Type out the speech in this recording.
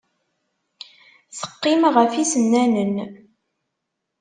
Teqqim ɣef yisennanen.